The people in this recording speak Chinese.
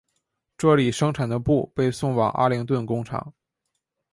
这里生产的布被送往阿灵顿工厂。